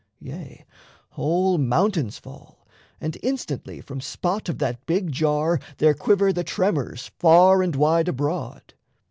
Yea, whole mountains fall, And instantly from spot of that big jar There quiver the tremors far and wide abroad.